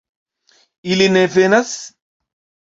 Ili ne venas?